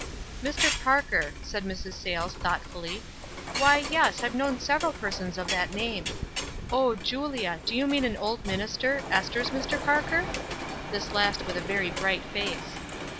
" Mr. Parker," said Mrs. Sayles thoughtfully. "Why, yes, I have known several persons of that name. O Julia, do you mean an old minister — Ester's Mr. Parker ?" This last with a very bright face.